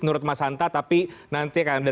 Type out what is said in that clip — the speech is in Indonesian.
menurut mas hanta tapi nanti akan ada